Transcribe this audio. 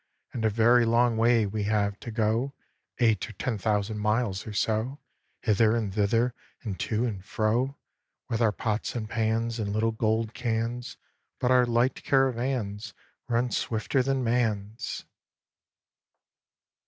And a very long way we have to go, Eight or ten thousand miles or so, Hither and thither, and to and fro; With our pots and pans, And little gold cans; But our light caravans Run swifter than man's!"